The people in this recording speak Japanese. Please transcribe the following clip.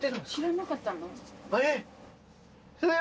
えっ！？